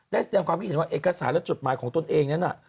แสดงความคิดเห็นว่าเอกสารและจดหมายของตนเองนั้นน่ะ